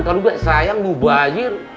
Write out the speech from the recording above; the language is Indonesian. kalau gak sayang tuh bahagia